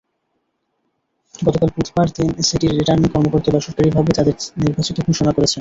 গতকাল বুধবার তিন সিটির রিটার্নিং কর্মকর্তা বেসরকারিভাবে তাঁদের নির্বাচিত ঘোষণা করেছেন।